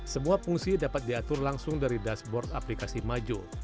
semua fungsi dapat diatur langsung dari dashboard aplikasi majo